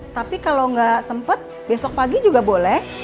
tapi kalo gak sempet besok pagi juga boleh